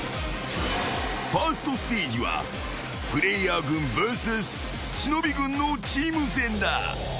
［ファーストステージはプレイヤー軍ＶＳ忍軍のチーム戦だ］